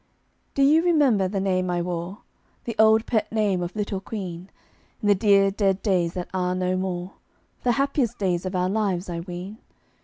Do you remember the name I wore The old pet name of Little Queen In the dear, dead days that are no more, The happiest days of our lives, I ween?